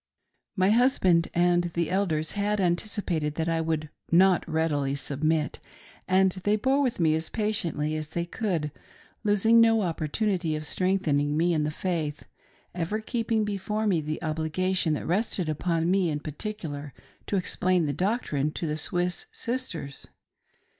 My husband and the Elders had anticipated that I would not readily submit, and they bore with me as patiently as they could, losing no opportunity of strengthening me in the faith, ever keeping before me the obligation that rested upon me in particular to explain the doctrine to the Swiss sisters.